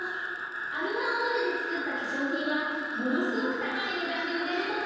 アルガンオイルでつくったけしょうひんはものすごくたかいねだんでうれるとか。